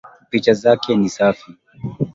Picha zake ni safi